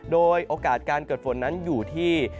โดยโอกาสการเกิดฝนนั้นอยู่ที่